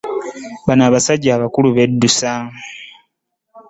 Bano abasajja abakulu beddusa.